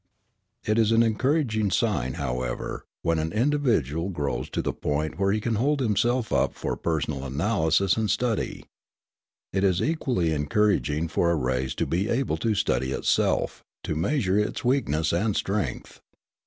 It is an encouraging sign, however, when an individual grows to the point where he can hold himself up for personal analysis and study. It is equally encouraging for a race to be able to study itself, to measure its weakness and strength.